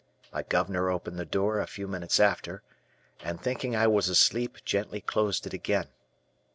My governor opened the door a few moments after, and thinking I was asleep gently closed it again.